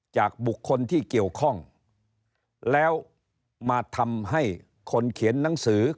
จากบุคคลที่เกี่ยวข้องแล้วมาทำให้คนเขียนหนังสือ